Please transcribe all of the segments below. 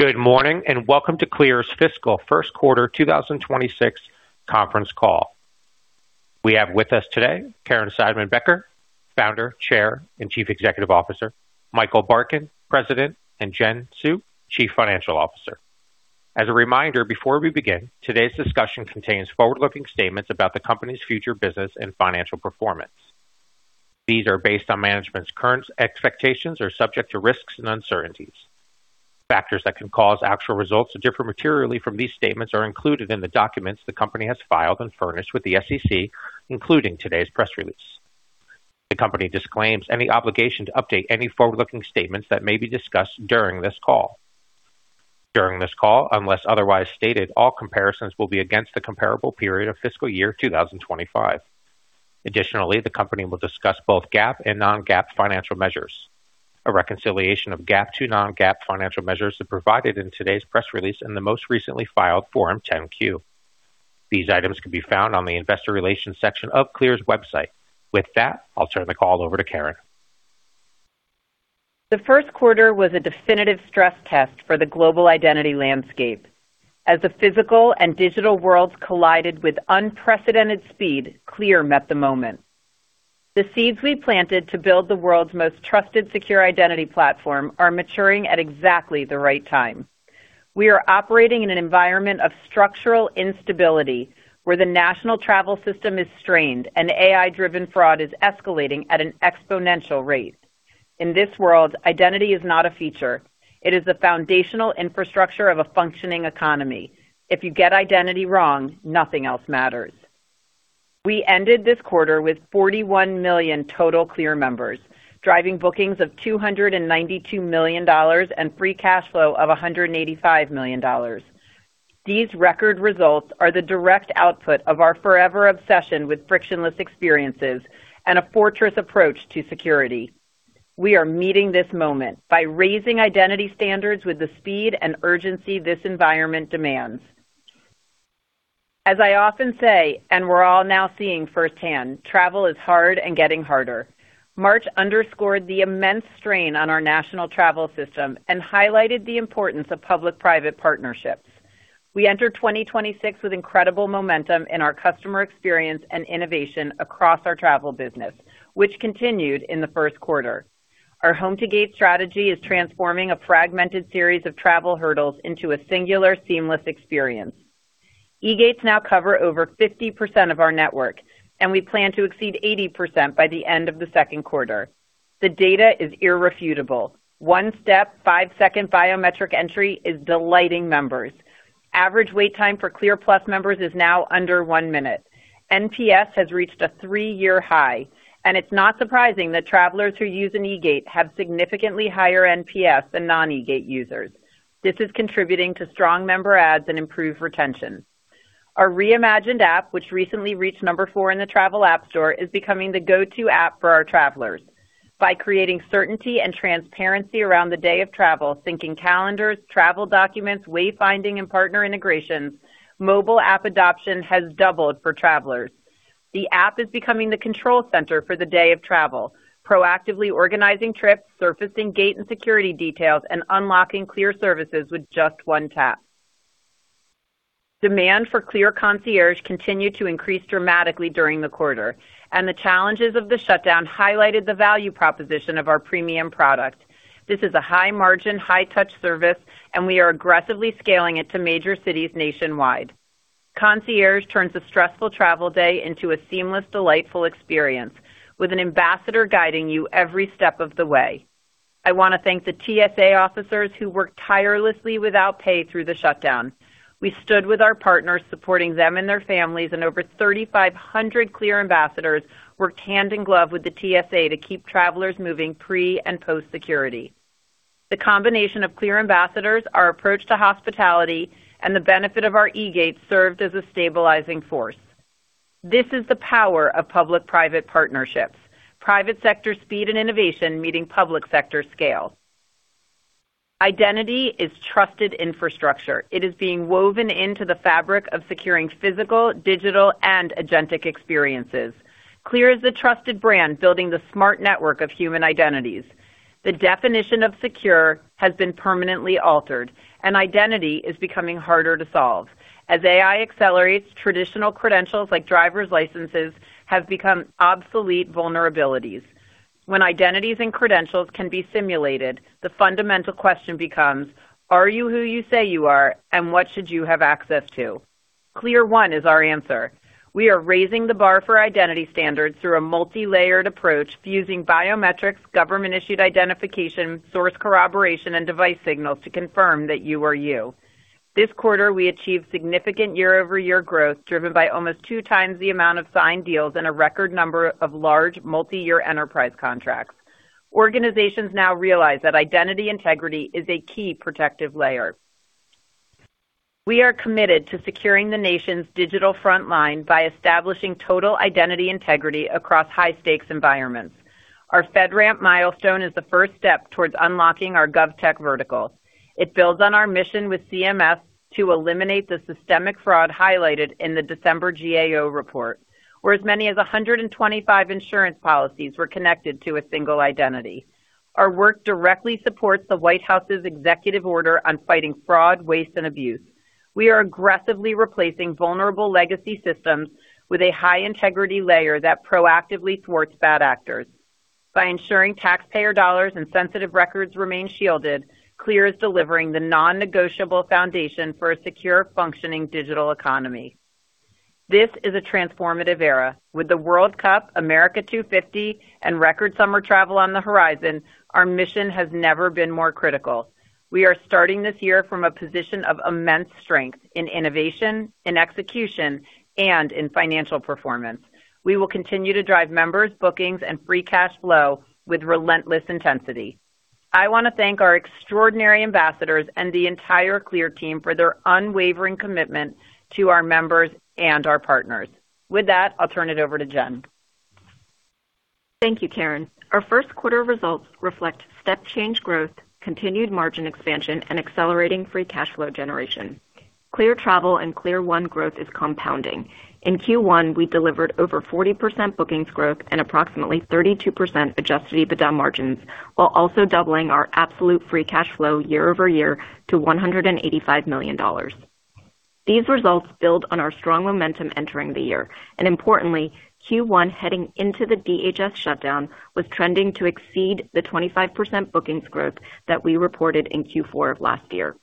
Good morning, welcome to CLEAR's Fiscal First Quarter 2026 conference call. We have with us today Caryn Seidman-Becker, Founder, Chair, and Chief Executive Officer, Michael Barkin, President, and Jen Hsu, Chief Financial Officer. As a reminder, before we begin, today's discussion contains forward-looking statements about the company's future business and financial performance. These are based on management's current expectations, are subject to risks and uncertainties. Factors that can cause actual results to differ materially from these statements are included in the documents the company has filed and furnished with the SEC, including today's press release. The company disclaims any obligation to update any forward-looking statements that may be discussed during this call. During this call, unless otherwise stated, all comparisons will be against the comparable period of fiscal year 2025. Additionally, the company will discuss both GAAP and non-GAAP financial measures. A reconciliation of GAAP to non-GAAP financial measures are provided in today's press release in the most recently filed Form 10-Q. These items can be found on the investor relations section of CLEAR's website. With that, I'll turn the call over to Caryn Seidman-Becker. The first quarter was a definitive stress test for the global identity landscape. As the physical and digital worlds collided with unprecedented speed, CLEAR met the moment. The seeds we planted to build the world's most trusted, secure identity platform are maturing at exactly the right time. We are operating in an environment of structural instability, where the national travel system is strained and AI-driven fraud is escalating at an exponential rate. In this world, identity is not a feature. It is the foundational infrastructure of a functioning economy. If you get identity wrong, nothing else matters. We ended this quarter with 41 million total CLEAR members, driving bookings of $292 million and free cash flow of $185 million. These record results are the direct output of our forever obsession with frictionless experiences and a fortress approach to security. We are meeting this moment by raising identity standards with the speed and urgency this environment demands. As I often say, and we're all now seeing firsthand, travel is hard and getting harder. March underscored the immense strain on our national travel system and highlighted the importance of public-private partnerships. We entered 2026 with incredible momentum in our customer experience and innovation across our travel business, which continued in the first quarter. Our home-to-gate strategy is transforming a fragmented series of travel hurdles into a singular seamless experience. eGates now cover over 50% of our network, and we plan to exceed 80% by the end of the second quarter. The data is irrefutable. One-step, five-second biometric entry is delighting members. Average wait time for CLEAR+ members is now under one minute. NPS has reached a three-year high, and it's not surprising that travelers who use an eGate have significantly higher NPS than non-eGate users. This is contributing to strong member adds and improved retention. Our reimagined app, which recently reached number four in the travel app store, is becoming the go-to app for our travelers. By creating certainty and transparency around the day of travel, syncing calendars, travel documents, wayfinding, and partner integrations, mobile app adoption has doubled for travelers. The app is becoming the control center for the day of travel, proactively organizing trips, surfacing gate and security details, and unlocking CLEAR services with just one tap. Demand for CLEAR Concierge continued to increase dramatically during the quarter, and the challenges of the shutdown highlighted the value proposition of our premium product. This is a high-margin, high-touch service, and we are aggressively scaling it to major cities nationwide. Concierge turns a stressful travel day into a seamless, delightful experience with an ambassador guiding you every step of the way. I want to thank the TSA officers who worked tirelessly without pay through the shutdown. Over 3,500 CLEAR ambassadors worked hand in glove with the TSA to keep travelers moving pre and post-security. The combination of CLEAR ambassadors, our approach to hospitality, and the benefit of our eGate served as a stabilizing force. This is the power of public-private partnerships. Private sector speed and innovation meeting public sector scale. Identity is trusted infrastructure. It is being woven into the fabric of securing physical, digital, and agentic experiences. CLEAR is a trusted brand building the smart network of human identities. The definition of secure has been permanently altered, identity is becoming harder to solve. As AI accelerates, traditional credentials like driver's licenses have become obsolete vulnerabilities. When identities and credentials can be simulated, the fundamental question becomes, "Are you who you say you are, and what should you have access to?" CLEAR1 is our answer. We are raising the bar for identity standards through a multilayered approach, fusing biometrics, government-issued identification, source corroboration, and device signals to confirm that you are you. This quarter, we achieved significant year-over-year growth, driven by almost two times the amount of signed deals and a record number of large multiyear enterprise contracts. Organizations now realize that identity integrity is a key protective layer. We are committed to securing the nation's digital frontline by establishing total identity integrity across high-stakes environments. Our FedRAMP milestone is the first step towards unlocking our GovTech vertical. It builds on our mission with CMS to eliminate the systemic fraud highlighted in the December GAO report, where as many as 125 insurance policies were connected to a single identity. Our work directly supports the White House's executive order on fighting fraud, waste, and abuse. We are aggressively replacing vulnerable legacy systems with a high integrity layer that proactively thwarts bad actors. By ensuring taxpayer dollars and sensitive records remain shielded, CLEAR is delivering the non-negotiable foundation for a secure, functioning digital economy. This is a transformative era. With the World Cup, America250, and record summer travel on the horizon, our mission has never been more critical. We are starting this year from a position of immense strength in innovation, in execution, and in financial performance. We will continue to drive members, bookings, and free cash flow with relentless intensity. I wanna thank our extraordinary ambassadors and the entire CLEAR team for their unwavering commitment to our members and our partners. With that, I'll turn it over to Jen. Thank you, Caryn. Our first quarter results reflect step change growth, continued margin expansion, and accelerating free cash flow generation. CLEAR Travel and CLEAR1 growth is compounding. In Q1, we delivered over 40% bookings growth and approximately 32% adjusted EBITDA margins, while also doubling our absolute free cash flow year-over-year to $185 million. These results build on our strong momentum entering the year. Importantly, Q1 heading into the DHS shutdown was trending to exceed the 25% bookings growth that we reported in Q4 of last year.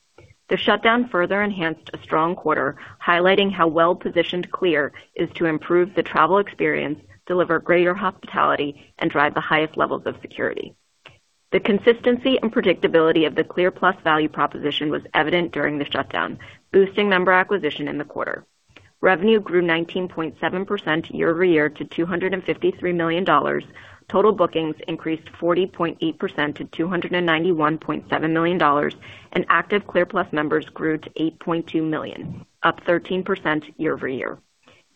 The shutdown further enhanced a strong quarter, highlighting how well-positioned CLEAR is to improve the travel experience, deliver greater hospitality, and drive the highest levels of security. The consistency and predictability of the CLEAR+ value proposition was evident during the shutdown, boosting member acquisition in the quarter. Revenue grew 19.7% year-over-year to $253 million. Total bookings increased 40.8% to $291.7 million, and active CLEAR+ members grew to 8.2 million, up 13% year-over-year.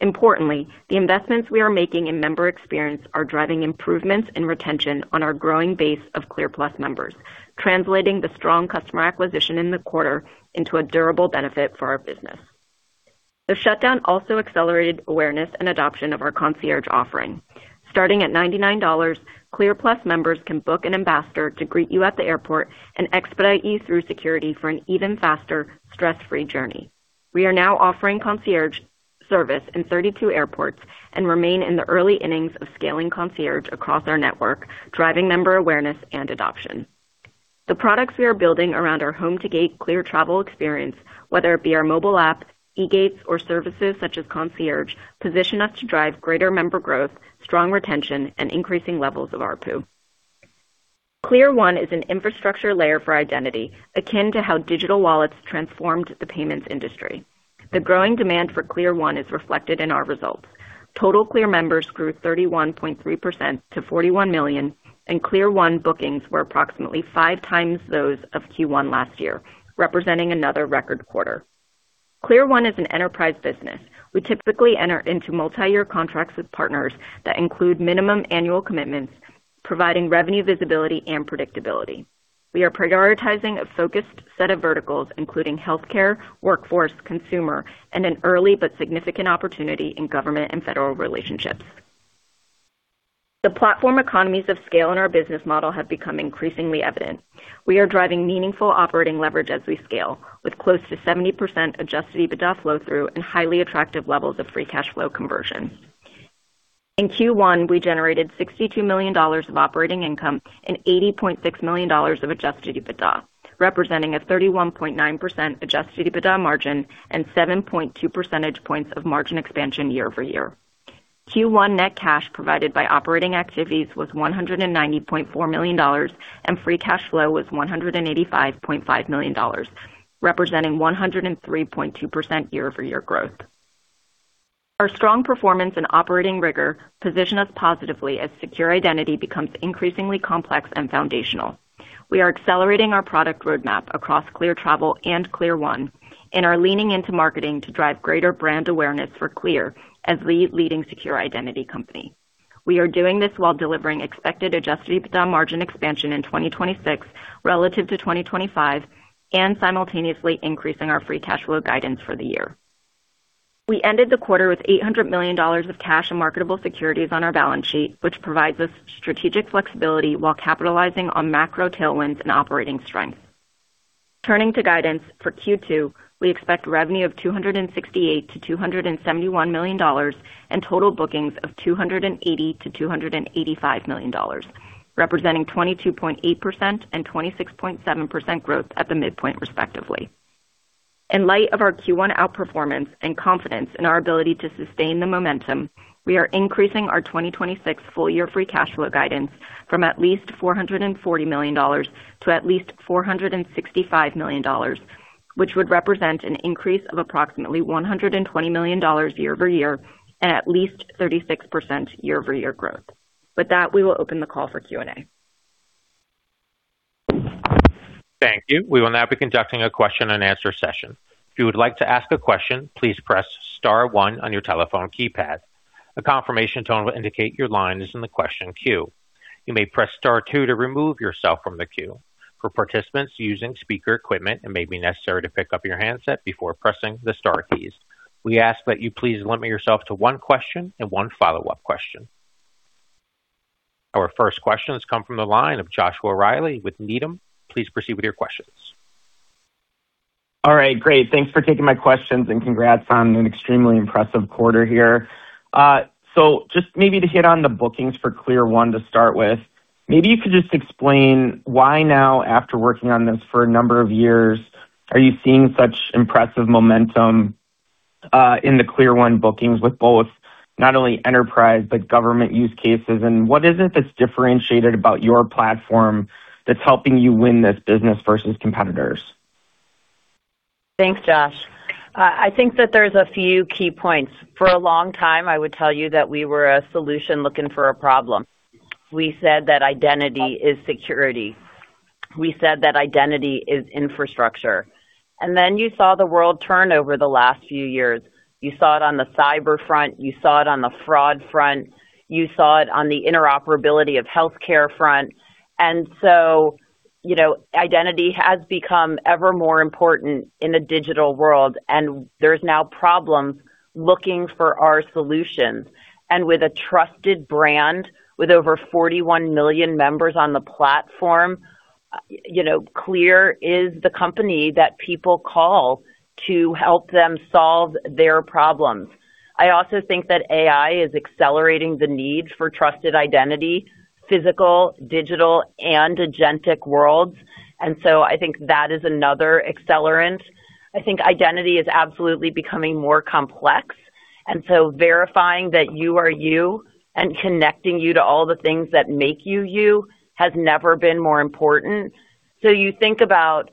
Importantly, the investments we are making in member experience are driving improvements in retention on our growing base of CLEAR+ members, translating the strong customer acquisition in the quarter into a durable benefit for our business. The shutdown also accelerated awareness and adoption of our concierge offering. Starting at $99, CLEAR+ members can book an ambassador to greet you at the airport and expedite you through security for an even faster, stress-free journey. We are now offering concierge service in 32 airports and remain in the early innings of scaling concierge across our network, driving member awareness and adoption. The products we are building around our home to gate CLEAR Travel experience, whether it be our mobile app, eGates, or services such as concierge, position us to drive greater member growth, strong retention, and increasing levels of ARPU. CLEAR1 is an infrastructure layer for identity, akin to how digital wallets transformed the payments industry. The growing demand for CLEAR1 is reflected in our results. Total CLEAR members grew 31.3% to 41 million, and CLEAR1 bookings were approximately five times those of Q1 last year, representing another record quarter. CLEAR1 is an enterprise business. We typically enter into multi-year contracts with partners that include minimum annual commitments, providing revenue visibility and predictability. We are prioritizing a focused set of verticals, including healthcare, workforce, consumer, and an early but significant opportunity in government and federal relationships. The platform economies of scale in our business model have become increasingly evident. We are driving meaningful operating leverage as we scale, with close to 70% adjusted EBITDA flow through and highly attractive levels of free cash flow conversion. In Q1, we generated $62 million of operating income and $80.6 million of adjusted EBITDA, representing a 31.9% adjusted EBITDA margin and 7.2 percentage points of margin expansion year-over-year. Q1 net cash provided by operating activities was $190.4 million, and free cash flow was $185.5 million, representing 103.2% year-over-year growth. Our strong performance and operating rigor position us positively as secure identity becomes increasingly complex and foundational. We are accelerating our product roadmap across CLEAR Travel and CLEAR1, and are leaning into marketing to drive greater brand awareness for CLEAR as the leading secure identity company. We are doing this while delivering expected adjusted EBITDA margin expansion in 2026 relative to 2025 and simultaneously increasing our free cash flow guidance for the year. We ended the quarter with $800 million of cash and marketable securities on our balance sheet, which provides us strategic flexibility while capitalizing on macro tailwinds and operating strength. Turning to guidance, for Q2, we expect revenue of $268 million-$271 million and total bookings of $280 million-$285 million, representing 22.8% and 26.7% growth at the midpoint respectively. In light of our Q1 outperformance and confidence in our ability to sustain the momentum, we are increasing our 2026 full-year free cash flow guidance from at least $440 million to at least $465 million, which would represent an increase of approximately $120 million year-over-year at least 36% year-over-year growth. With that, we will open the call for Q&A. Thank you. We will now be conducting a question and answer session. If you would like to ask a question, please press star one on your telephone keypad. A confirmation tone will indicate your line is in the question queue. You may press star two to remove yourself from the queue. For participants using speaker equipment, it may be necessary to pick up your handset before pressing the star keys. We ask that you please limit yourself to one question and one follow-up question. Our first question has come from the line of Joshua Reilly with Needham. Please proceed with your questions. All right, great. Thanks for taking my questions, and congrats on an extremely impressive quarter here. So just maybe to hit on the bookings for CLEAR1 to start with. Maybe you could just explain why now, after working on this for a number of years, are you seeing such impressive momentum in the CLEAR1 bookings with both, not only enterprise but government use cases? What is it that's differentiated about your platform that's helping you win this business versus competitors? Thanks, Josh. I think that there's a few key points. For a long time, I would tell you that we were a solution looking for a problem. We said that identity is security. We said that identity is infrastructure. You saw the world turn over the last few years. You saw it on the cyber front, you saw it on the fraud front, you saw it on the interoperability of healthcare front. You know, identity has become ever more important in a digital world, and there's now problems looking for our solutions. With a trusted brand, with over 41 million members on the platform, you know, CLEAR is the company that people call to help them solve their problems. I also think that AI is accelerating the need for trusted identity, physical, digital, and agentic worlds. I think that is another accelerant. I think identity is absolutely becoming more complex, and so verifying that you are you and connecting you to all the things that make you you has never been more important. You think about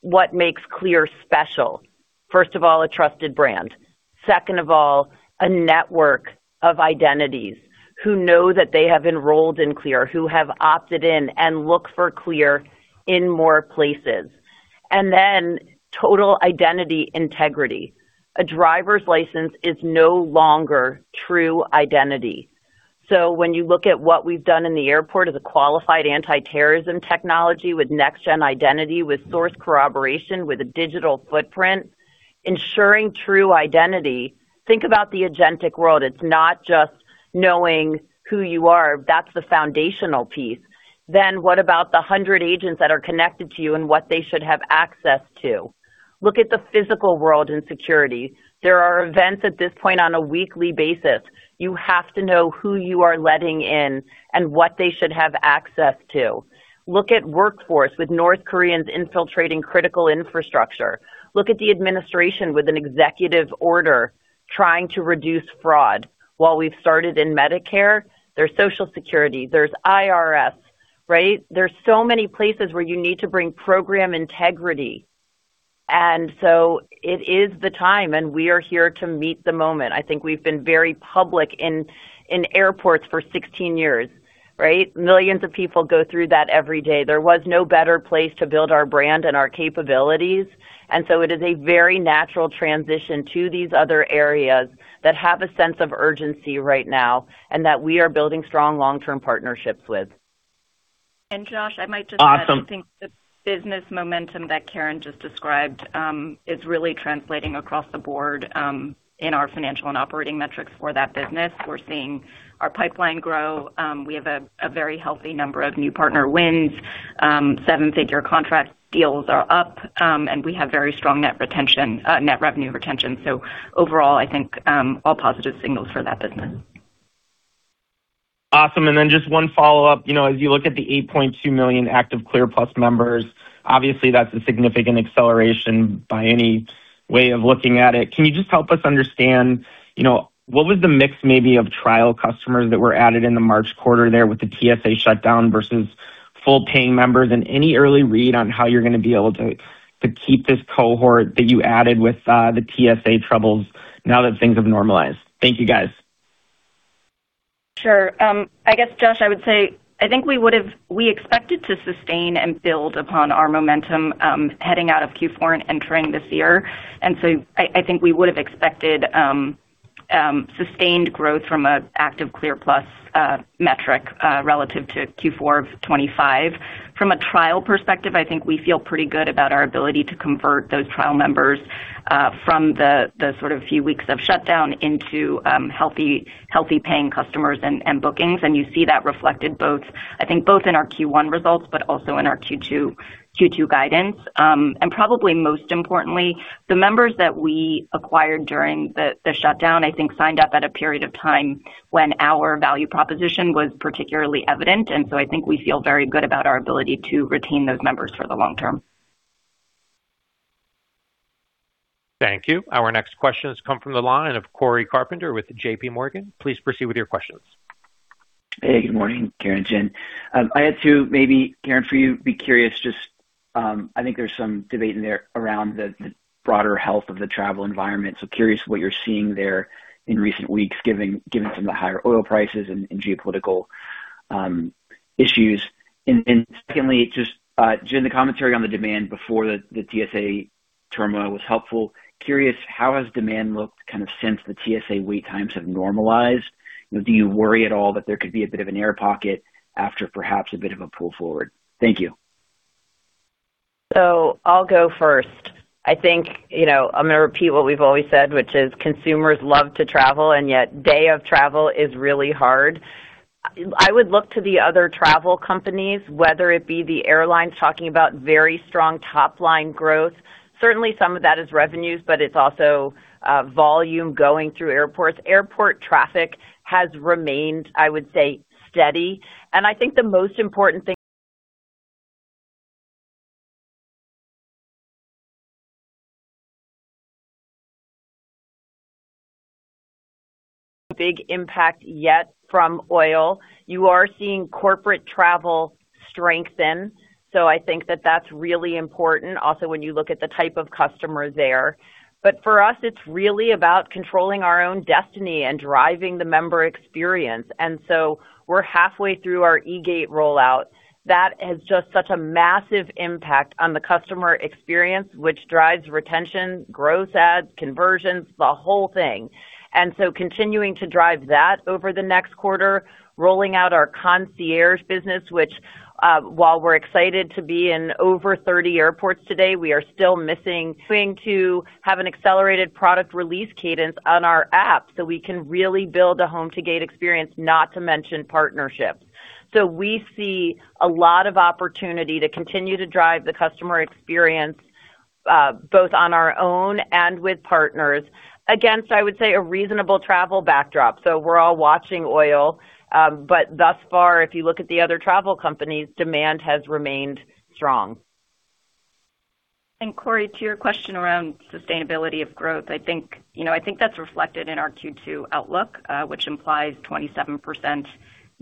what makes CLEAR special. First of all, a trusted brand. Second of all, a network of identities who know that they have enrolled in CLEAR, who have opted in and look for CLEAR in more places. Total identity integrity. A driver's license is no longer true identity. When you look at what we've done in the airport as a qualified anti-terrorism technology with next-gen identity, with source corroboration, with a digital footprint, ensuring true identity. Think about the agentic world. It's not just knowing who you are. That's the foundational piece. What about the 100 agents that are connected to you and what they should have access to? Look at the physical world in security. There are events at this point on a weekly basis. You have to know who you are letting in and what they should have access to. Look at workforce with North Koreans infiltrating critical infrastructure. Look at the administration with an executive order trying to reduce fraud. While we've started in Medicare, there's Social Security, there's IRS, right? There's so many places where you need to bring program integrity. It is the time, and we are here to meet the moment. I think we've been very public in airports for 16 years, right? Millions of people go through that every day. There was no better place to build our brand and our capabilities. It is a very natural transition to these other areas that have a sense of urgency right now and that we are building strong long-term partnerships with. Josh, I might just add. Awesome. I think the business momentum that Caryn just described, is really translating across the board, in our financial and operating metrics for that business. We're seeing our pipeline grow. We have a very healthy number of new partner wins. Seven-figure contract deals are up, and we have very strong net revenue retention. Overall, I think, all positive signals for that business. Awesome. Just one follow-up. You know, as you look at the 8.2 million active CLEAR+ members, obviously that's a significant acceleration by any way of looking at it. Can you just help us understand, you know, what was the mix maybe of trial customers that were added in the March quarter there with the TSA shutdown versus full paying members and any early read on how you're gonna be able to keep this cohort that you added with the TSA troubles now that things have normalized? Thank you, guys. Sure. I guess, Josh, I would say I think we expected to sustain and build upon our momentum, heading out of Q4 and entering this year. I think we would have expected sustained growth from a active CLEAR+ metric relative to Q4 of 25. From a trial perspective, I think we feel pretty good about our ability to convert those trial members from the sort of few weeks of shutdown into healthy paying customers and bookings. You see that reflected I think both in our Q1 results, but also in our Q2 guidance. Probably most importantly, the members that we acquired during the shutdown, I think, signed up at a period of time when our value proposition was particularly evident. I think we feel very good about our ability to retain those members for the long term. Thank you. Our next question has come from the line of Cory Carpenter with JPMorgan. Please proceed with your questions. Hey, good morning, Caryn and Jen. I had to maybe, Caryn, for you, be curious, just, I think there's some debate in there around the broader health of the travel environment. Curious what you're seeing there in recent weeks giving some of the higher oil prices and geopolitical issues. Secondly, just, Jen, the commentary on the demand before the TSA turmoil was helpful. Curious, how has demand looked kind of since the TSA wait times have normalized? Do you worry at all that there could be a bit of an air pocket after perhaps a bit of a pull forward? Thank you. I'll go first. I think, you know, I'm going to repeat what we've always said, which is consumers love to travel, and yet day-of travel is really hard. I would look to the other travel companies, whether it be the airlines talking about very strong top-line growth. Certainly, some of that is revenues, but it's also volume going through airports. Airport traffic has remained, I would say, steady. I think the most important thing- Big impact yet from oil. You are seeing corporate travel strengthen, so I think that that's really important. Also, when you look at the type of customer there. For us, it's really about controlling our own destiny and driving the member experience. We're halfway through our eGate rollout. That has just such a massive impact on the customer experience, which drives retention, gross adds, conversions, the whole thing. Continuing to drive that over the next quarter, rolling out our concierge business, which, while we're excited to be in over 30 airports today, we are still continuing to have an accelerated product release cadence on our app, so we can really build a home to gate experience, not to mention partnerships. We see a lot of opportunity to continue to drive the customer experience, both on our own and with partners against, I would say, a reasonable travel backdrop. We're all watching oil, but thus far, if you look at the other travel companies, demand has remained strong. Cory, to your question around sustainability of growth, you know, I think that's reflected in our Q2 outlook, which implies 27%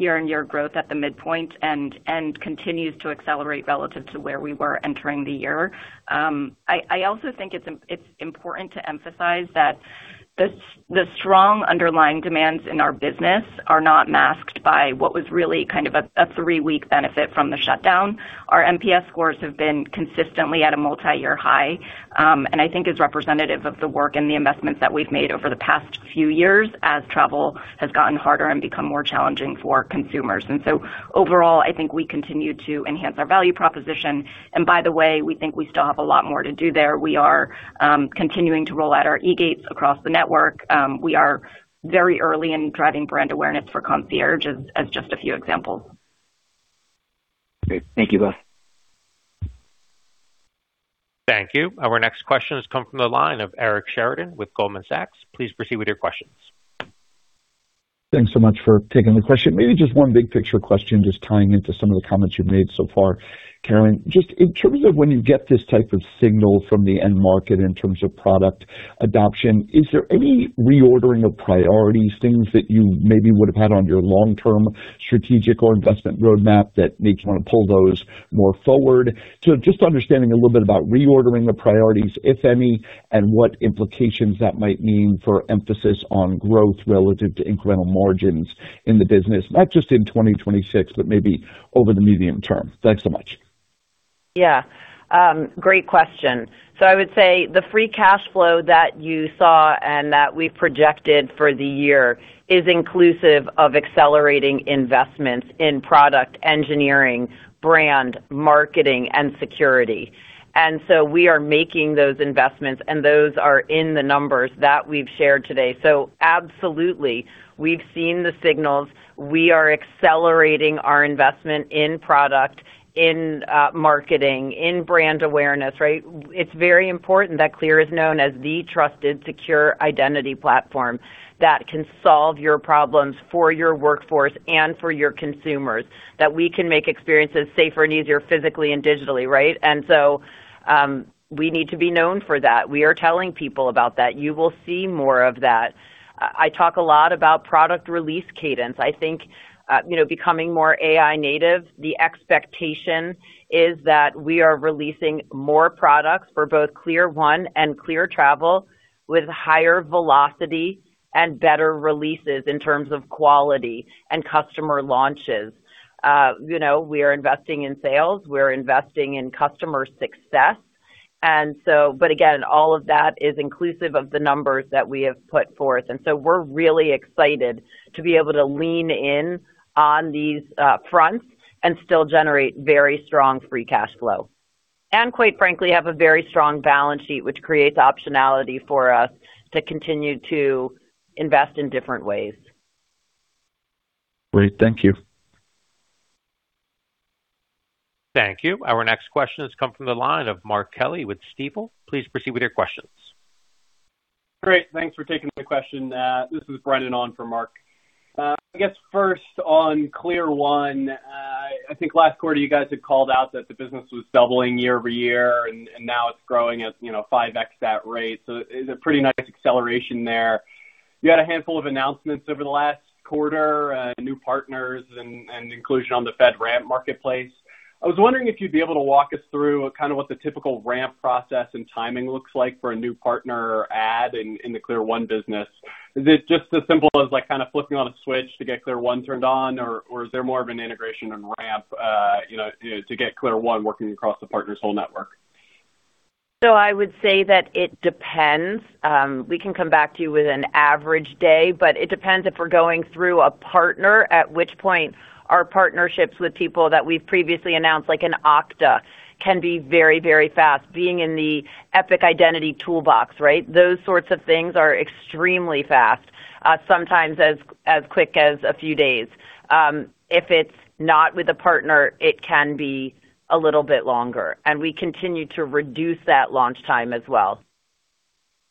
year-over-year growth at the midpoint and continues to accelerate relative to where we were entering the year. I also think it's important to emphasize that the strong underlying demands in our business are not masked by what was really kind of a three-week benefit from the shutdown. Our NPS scores have been consistently at a multi-year high, and I think is representative of the work and the investments that we've made over the past few years as travel has gotten harder and become more challenging for consumers. Overall, I think we continue to enhance our value proposition. By the way, we think we still have a lot more to do there. We are continuing to roll out our eGates across the network. We are very early in driving brand awareness for concierge as just a few examples. Great. Thank you both. Thank you. Our next question has come from the line of Eric Sheridan with Goldman Sachs. Please proceed with your questions. Thanks so much for taking the question. Maybe just one big-picture question, just tying into some of the comments you've made so far. Caryn, just in terms of when you get this type of signal from the end market in terms of product adoption, is there any reordering of priorities, things that you maybe would have had on your long-term strategic or investment roadmap that makes you want to pull those more forward? Just understanding a little bit about reordering the priorities, if any, and what implications that might mean for emphasis on growth relative to incremental margins in the business, not just in 2026, but maybe over the medium term. Thanks so much. Yeah. Great question. I would say the free cash flow that you saw and that we've projected for the year is inclusive of accelerating investments in product engineering, brand marketing, and security. We are making those investments, and those are in the numbers that we've shared today. Absolutely, we've seen the signals. We are accelerating our investment in product, in marketing, in brand awareness, right? It's very important that CLEAR is known as the trusted, secure identity platform that can solve your problems for your workforce and for your consumers, that we can make experiences safer and easier physically and digitally, right? We need to be known for that. We are telling people about that. You will see more of that. I talk a lot about product release cadence. I think, you know, becoming more AI-native, the expectation is that we are releasing more products for both CLEAR1 and CLEAR Travel with higher velocity and better releases in terms of quality and customer launches. You know, we are investing in sales, we're investing in customer success. But again, all of that is inclusive of the numbers that we have put forth. We're really excited to be able to lean in on these fronts and still generate very strong free cash flow. Quite frankly, have a very strong balance sheet, which creates optionality for us to continue to invest in different ways. Great. Thank you. Thank you. Our next question has come from the line of Mark Kelley with Stifel. Please proceed with your questions. Great. Thanks for taking the question. This is Brendan on for Mark. I guess first on CLEAR1, I think last quarter, you guys had called out that the business was doubling year-over-year, and now it's growing at, you know, 5x that rate. It's a pretty nice acceleration there. You had a handful of announcements over the last quarter, new partners and inclusion on the FedRAMP marketplace. I was wondering if you'd be able to walk us through kind of what the typical ramp process and timing looks like for a new partner add in the CLEAR1 business. Is it just as simple as, like, kind of flipping on a switch to get CLEAR1 turned on, or is there more of an integration and ramp, you know, to get CLEAR1 working across the partner's whole network? I would say that it depends. We can come back to you with an average day, but it depends if we're going through a partner, at which point our partnerships with people that we've previously announced, like an Okta, can be very, very fast. Being in the Epic identity toolbox, right? Those sorts of things are extremely fast, sometimes as quick as a few days. If it's not with a partner, it can be a little bit longer, and we continue to reduce that launch time as well.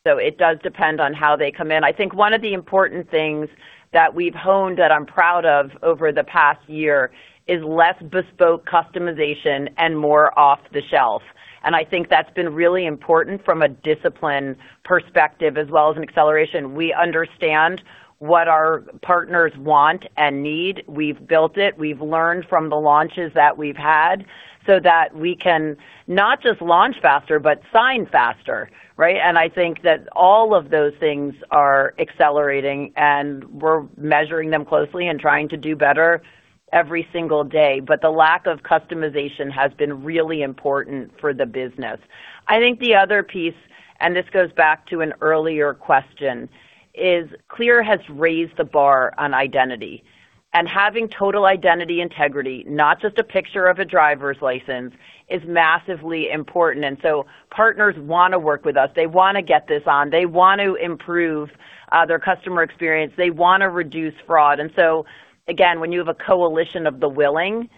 It does depend on how they come in. I think one of the important things that we've honed that I'm proud of over the past year is less bespoke customization and more off the shelf. I think that's been really important from a discipline perspective as well as an acceleration. We understand what our partners want and need. We've built it. We've learned from the launches that we've had so that we can not just launch faster, but sign faster, right? I think that all of those things are accelerating, and we're measuring them closely and trying to do better every single day. The lack of customization has been really important for the business. I think the other piece, and this goes back to an earlier question, is CLEAR has raised the bar on identity. Having total identity integrity, not just a picture of a driver's license, is massively important. Partners wanna work with us. They wanna get this on. They want to improve their customer experience. They wanna reduce fraud. Again, when you have a coalition of the willing,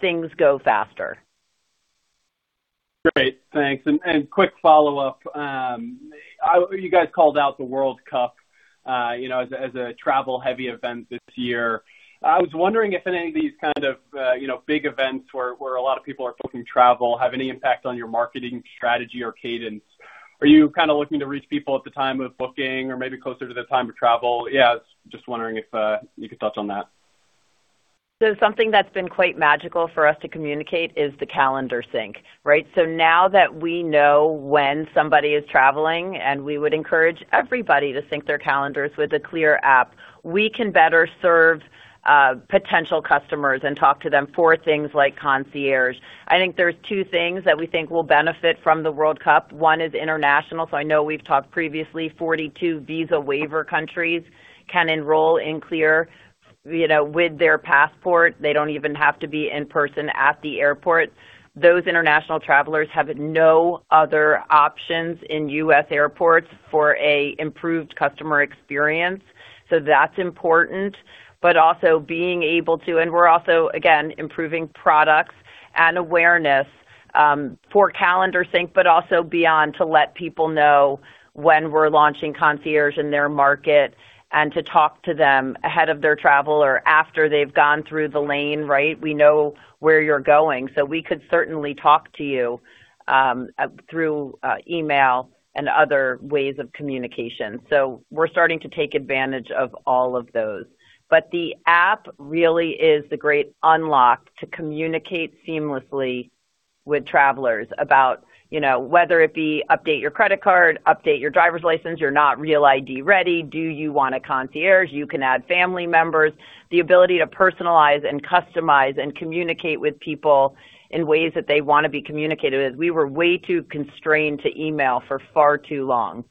things go faster. Great. Thanks. Quick follow-up. You guys called out the World Cup, you know, as a travel-heavy event this year. I was wondering if any of these kind of, you know, big events where a lot of people are booking travel have any impact on your marketing strategy or cadence. Are you kind of looking to reach people at the time of booking or maybe closer to the time of travel? Yeah, I was just wondering if you could touch on that. Something that's been quite magical for us to communicate is the calendar sync, right? Now that we know when somebody is traveling, and we would encourage everybody to sync their calendars with the CLEAR App, we can better serve potential customers and talk to them for things like concierge. I think there's two things that we think will benefit from the World Cup. One is international. I know we've talked previously 42 visa waiver countries can enroll in CLEAR, you know, with their passport. They don't even have to be in person at the airport. Those international travelers have no other options in U.S. airports for a improved customer experience, so that's important. We're also, again, improving products and awareness for calendar sync, but also beyond to let people know when we're launching concierge in their market and to talk to them ahead of their travel or after they've gone through the lane, right? We know where you're going, we could certainly talk to you through email and other ways of communication. We're starting to take advantage of all of those. The app really is the great unlock to communicate seamlessly with travelers about, you know, whether it be update your credit card, update your driver's license, you're not REAL ID ready, do you want a concierge, you can add family members. The ability to personalize and customize and communicate with people in ways that they wanna be communicated with. We were way too constrained to email for far too long.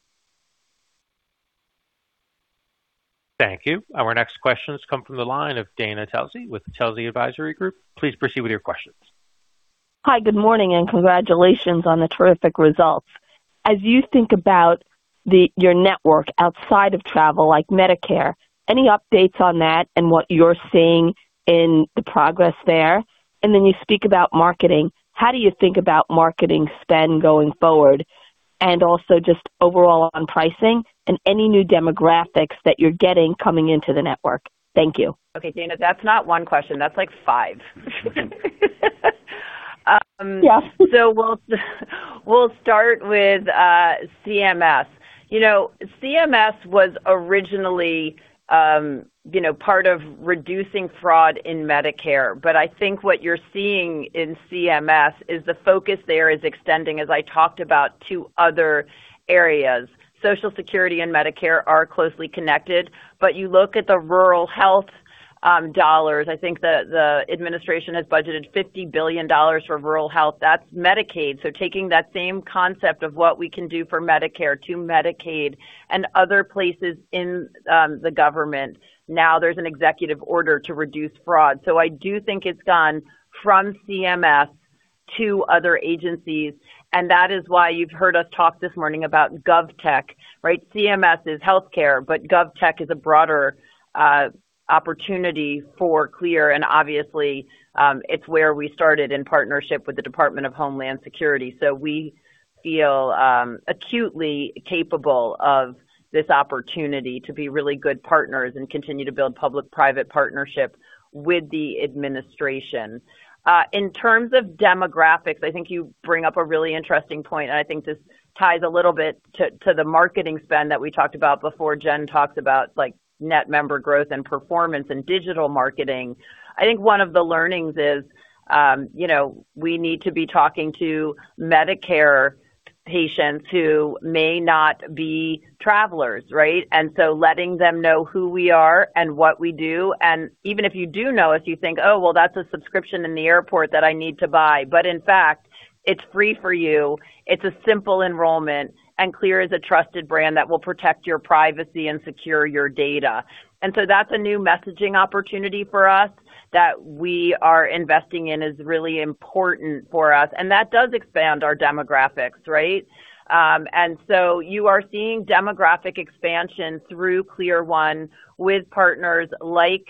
Thank you. Our next questions come from the line of Dana Telsey with Telsey Advisory Group. Please proceed with your questions. Hi, good morning, congratulations on the terrific results. As you think about your network outside of travel, like Medicare, any updates on that and what you're seeing in the progress there? Then you speak about marketing. How do you think about marketing spend going forward? Also just overall on pricing and any new demographics that you're getting coming into the network? Thank you. Dana, that's not one question. That's like five. Yeah. We'll start with CMS. You know, CMS was originally, you know, part of reducing fraud in Medicare. I think what you're seeing in CMS is the focus there is extending, as I talked about, to other areas. Social Security and Medicare are closely connected, but you look at the rural health dollars, I think the administration has budgeted $50 billion for rural health. That's Medicaid. Taking that same concept of what we can do for Medicare to Medicaid and other places in the government. Now there's an executive order to reduce fraud. I do think it's gone from CMS to other agencies, and that is why you've heard us talk this morning about GovTech, right? CMS is healthcare, but GovTech is a broader opportunity for CLEAR. Obviously, it's where we started in partnership with the Department of Homeland Security. We feel acutely capable of this opportunity to be really good partners and continue to build public-private partnerships with the administration. In terms of demographics, I think you bring up a really interesting point, and I think this ties a little bit to the marketing spend that we talked about before. Jen talked about, like, net member growth and performance and digital marketing. I think one of the learnings is, you know, we need to be talking to Medicare patients who may not be travelers, right? Letting them know who we are and what we do. Even if you do know, if you think, "Oh, well, that's a subscription in the airport that I need to buy," but in fact, it's free for you. It's a simple enrollment. CLEAR is a trusted brand that will protect your privacy and secure your data. That's a new messaging opportunity for us that we are investing in is really important for us, and that does expand our demographics, right? You are seeing demographic expansion through CLEAR1 with partners like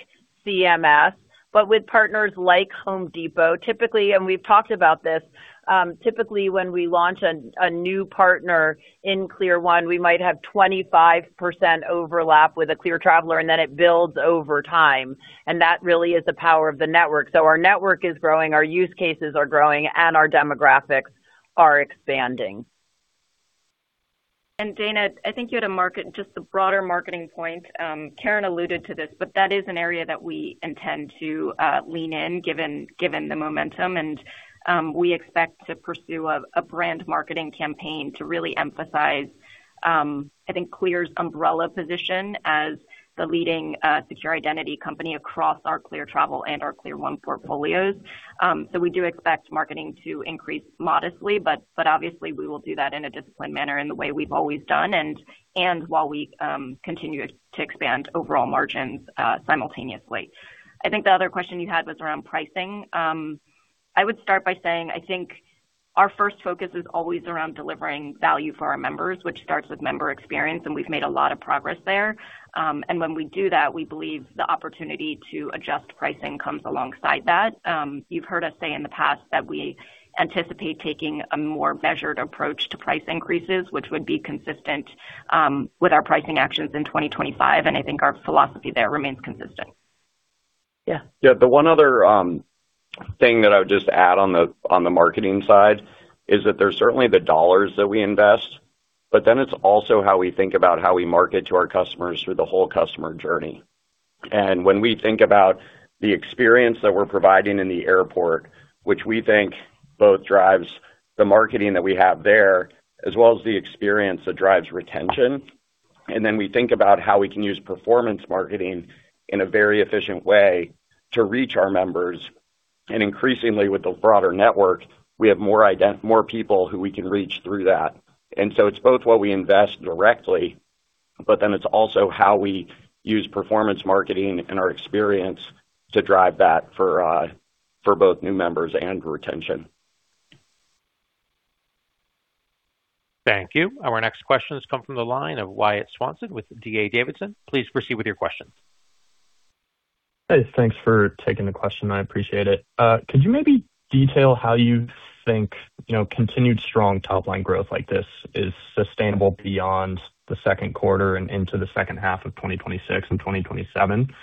CMS, but with partners like Home Depot. Typically, and we've talked about this, typically, when we launch a new partner in CLEAR1, we might have 25% overlap with a CLEAR traveler, and then it builds over time. That really is the power of the network. Our network is growing, our use cases are growing, and our demographics are expanding. Dana, I think you had just a broader marketing point. Caryn alluded to this, but that is an area that we intend to lean in, given the momentum. We expect to pursue a brand marketing campaign to really emphasize, I think CLEAR's umbrella position as the leading secure identity company across our CLEAR Travel and our CLEAR1 portfolios. We do expect marketing to increase modestly, but obviously we will do that in a disciplined manner in the way we've always done and while we continue to expand overall margins simultaneously. I think the other question you had was around pricing. I would start by saying, I think our first focus is always around delivering value for our members, which starts with member experience, and we've made a lot of progress there. When we do that, we believe the opportunity to adjust pricing comes alongside that. You've heard us say in the past that we anticipate taking a more measured approach to price increases, which would be consistent with our pricing actions in 2025, and I think our philosophy there remains consistent. Yeah. Yeah. The one other thing that I would just add on the, on the marketing side is that there's certainly the dollars that we invest, but then it's also how we think about how we market to our customers through the whole customer journey. When we think about the experience that we're providing in the airport, which we think both drives the marketing that we have there, as well as the experience that drives retention, and then we think about how we can use performance marketing in a very efficient way to reach our members, and increasingly, with the broader network, we have more people who we can reach through that. It's both what we invest directly, but then it's also how we use performance marketing and our experience to drive that for both new members and for retention. Thank you. Our next question has come from the line of Wyatt Swanson with D.A. Davidson. Please proceed with your question. Hey, thanks for taking the question. I appreciate it. Could you maybe detail how you think, you know, continued strong top-line growth like this is sustainable beyond the second quarter and into the second half of 2026 and 2027?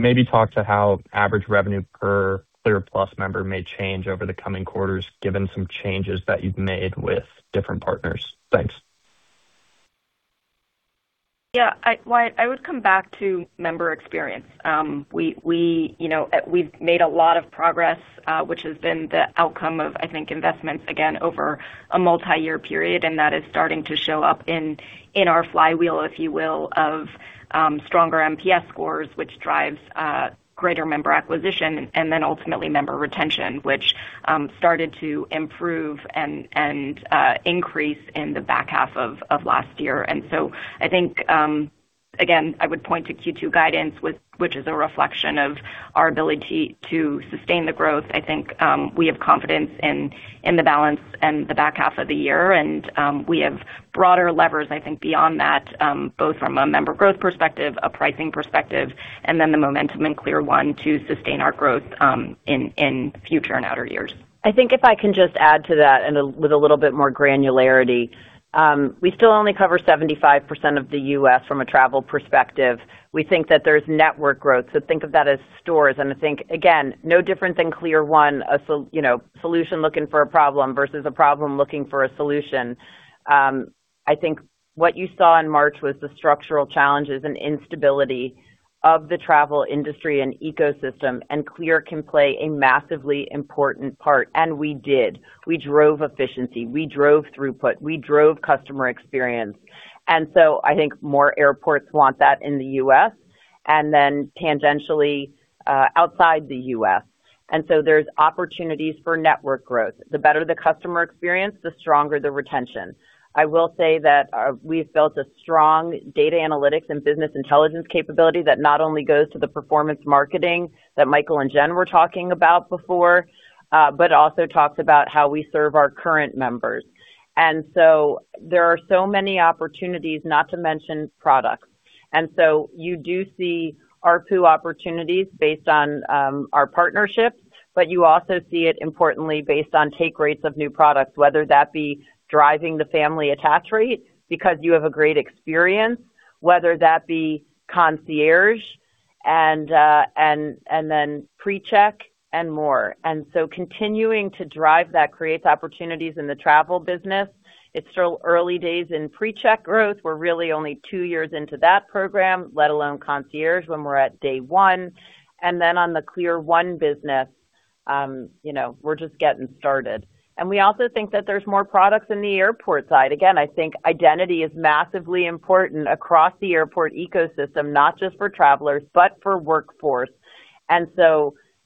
Maybe talk to how average revenue per CLEAR Plus member may change over the coming quarters, given some changes that you've made with different partners. Thanks. Yeah. Wyatt, I would come back to member experience. We, you know, we've made a lot of progress, which has been the outcome of, I think, investments, again, over a multi-year period, and that is starting to show up in our flywheel, if you will, of stronger NPS scores, which drives greater member acquisition and then ultimately member retention, which started to improve and increase in the back half of last year. I think, again, I would point to Q2 guidance, which is a reflection of our ability to sustain the growth. I think, we have confidence in the balance and the back half of the year, and, we have broader levers, I think, beyond that, both from a member growth perspective, a pricing perspective, and then the momentum in CLEAR1 to sustain our growth, in future and outer years. I think if I can just add to that with a little bit more granularity, we still only cover 75% of the U.S. from a travel perspective. We think that there's network growth, so think of that as stores. I think, again, no different than CLEAR1, you know, solution looking for a problem versus a problem looking for a solution. I think what you saw in March was the structural challenges and instability of the travel industry and ecosystem, CLEAR can play a massively important part, and we did. We drove efficiency, we drove throughput, we drove customer experience. I think more airports want that in the U.S. then tangentially, outside the U.S. There's opportunities for network growth. The better the customer experience, the stronger the retention. I will say that we've built a strong data analytics and business intelligence capability that not only goes to the performance marketing that Michael and Jen were talking about before, but also talks about how we serve our current members. There are so many opportunities, not to mention products. You do see ARPU opportunities based on our partnerships, but you also see it importantly based on take rates of new products, whether that be driving the family attach rate because you have a great experience, whether that be concierge and then PreCheck and more. Continuing to drive that creates opportunities in the travel business. It's still early days in PreCheck growth. We're really only two years into that program, let alone concierge, when we're at day one. Then on the CLEAR1 business, you know, we're just getting started. We also think that there's more products in the airport side. Again, I think identity is massively important across the airport ecosystem, not just for travelers, but for workforce.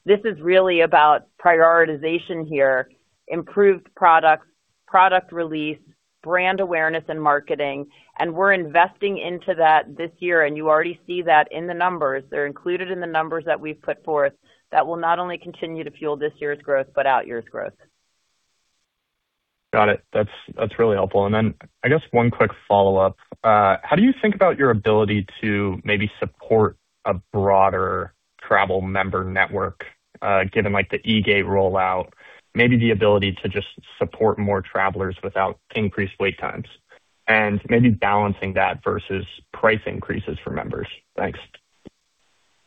This is really about prioritization here, improved product release, brand awareness and marketing, and we're investing into that this year, and you already see that in the numbers. They're included in the numbers that we've put forth that will not only continue to fuel this year's growth, but out year's growth. Got it. That's really helpful. I guess one quick follow-up. How do you think about your ability to maybe support a broader travel member network, given like the eGate rollout, maybe the ability to just support more travelers without increased wait times and maybe balancing that versus price increases for members? Thanks.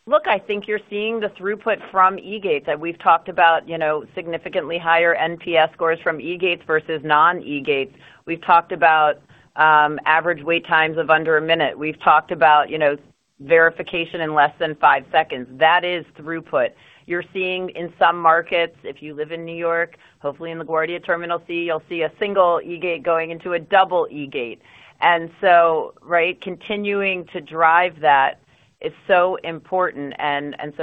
Look, I think you're seeing the throughput from eGates that we've talked about, you know, significantly higher NPS scores from eGates versus non-eGates. We've talked about average wait times of under a minute. We've talked about, you know, verification in less than five seconds. That is throughput. You're seeing in some markets, if you live in New York, hopefully in LaGuardia Terminal C, you'll see a single eGate going into a double eGate. Right, continuing to drive that is so important.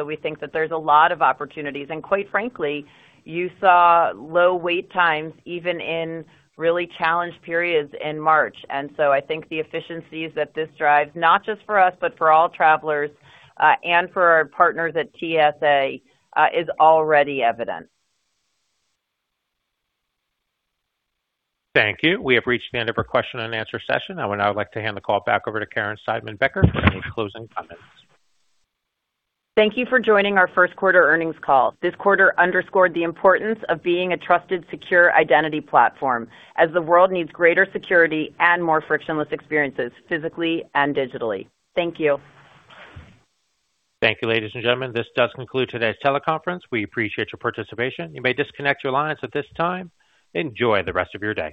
We think that there's a lot of opportunities. Quite frankly, you saw low wait times even in really challenged periods in March. I think the efficiencies that this drives, not just for us, but for all travelers, and for our partners at TSA, is already evident. Thank you. We have reached the end of our question and answer session. I would now like to hand the call back over to Caryn Seidman-Becker for any closing comments. Thank you for joining our first quarter earnings call. This quarter underscored the importance of being a trusted, secure identity platform as the world needs greater security and more frictionless experiences, physically and digitally. Thank you. Thank you, ladies and gentlemen. This does conclude today's teleconference. We appreciate your participation. You may disconnect your lines at this time. Enjoy the rest of your day.